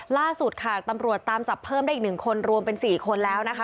ล่าสุดค่ะตำรวจตามจับเพิ่มได้อีก๑คนรวมเป็น๔คนแล้วนะคะ